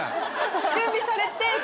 準備されて。